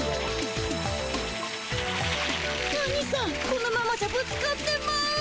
アニさんこのままじゃぶつかってまう。